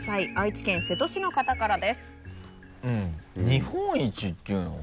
日本一っていうのが。